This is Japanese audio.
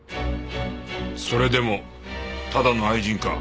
それでもただの愛人か？